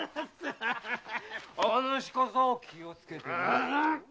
お主こそ気をつけてな！